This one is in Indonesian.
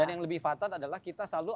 dan yang lebih fatal adalah kita selalu